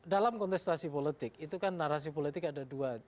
dalam kontestasi politik itu kan narasi politik ada dua